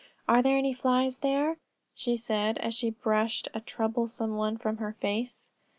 Are there any flies there?" she said, as she brushed a troublesome one from her face.